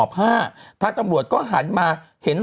ดื่มน้ำก่อนสักนิดใช่ไหมคะคุณพี่